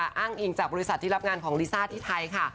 อ้างอิงจากบริษัทที่รับงานของลิซ่าที่ไทยค่ะ